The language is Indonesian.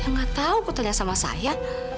nggak tahu ketanya sama saya